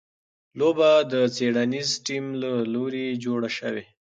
لوبه د څېړنیز ټیم له لوري جوړه شوې.